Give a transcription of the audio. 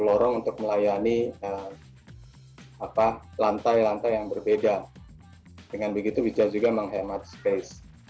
lorong untuk melayani apa lantai lantai yang berbeda dengan begitu bisa juga menghemat space